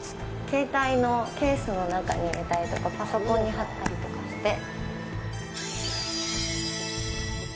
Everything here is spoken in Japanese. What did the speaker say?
携帯のケースの中に入れたりとかパソコンに貼ったりとかして。